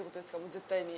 絶対に。